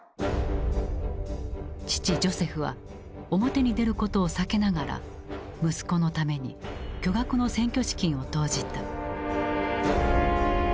父ジョセフは表に出ることを避けながら息子のために巨額の選挙資金を投じた。